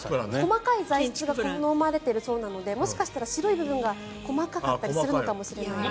細かい材質が好まれているそうなのでもしかしたら白い部分が細かかったりするのかもしれないですね。